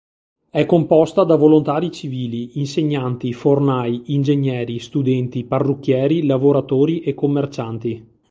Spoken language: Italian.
È composta da volontari civili, insegnanti, fornai, ingegneri, studenti, parrucchieri, lavoratori e commercianti.